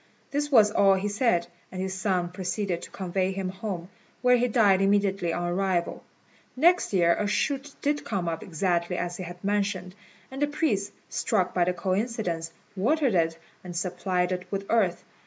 This was all he said, and his son proceeded to convey him home, where he died immediately on arrival. Next year a shoot did come up exactly as he had mentioned; and the priests, struck by the coincidence, watered it and supplied it with earth.